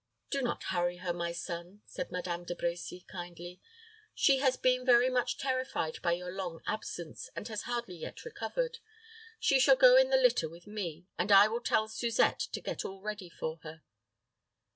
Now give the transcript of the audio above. "Do not hurry her, my son," said Madame De Brecy, kindly. "She has been very much terrified by your long absence, and has hardly yet recovered. She shall go in the litter with me, and I will tell Suzette to get all ready for her."